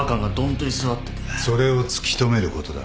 それを突き止めることだ。